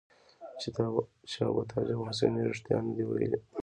چې ابوطالب حسیني رښتیا نه دي ویلي.